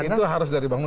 itu harus dari bang nus